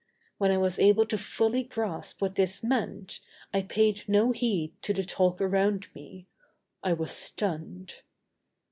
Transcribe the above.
When I was able to fully grasp what this meant, I paid no heed to the talk around me. I was stunned.